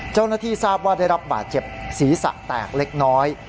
เจ้าหน้าที่ทราบว่าได้รับบาดเจ็บศีรษะแตกเล็กน้อย